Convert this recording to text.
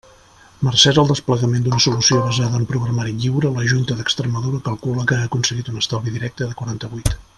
Mercès al desplegament d'una solució basada en programari lliure, la Junta d'Extremadura calcula que ha aconseguit un estalvi directe de quaranta-vuit.